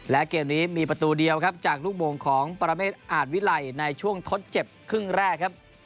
และเกมนี้มีประตูเดียวครับจากลูกโมงของปรเมฆอาจวิไลในช่วงทดเจ็บครึ่งแรกครับ